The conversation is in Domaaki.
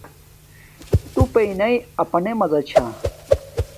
تݸ پئنݳئی اَپَنݵئ مزہ چھݳ.